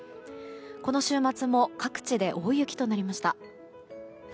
この週末も各地で大雪となりました。